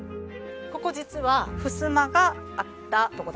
ここ実はふすまがあったとこだったんですね。